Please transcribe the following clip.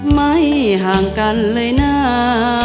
ไม่ห่างกันเลยนะ